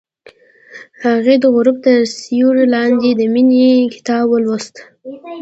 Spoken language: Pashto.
هغې د غروب تر سیوري لاندې د مینې کتاب ولوست.